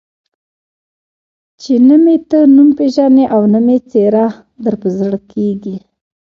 چې نه مې ته نوم پېژنې او نه مې څېره در په زړه کېږي.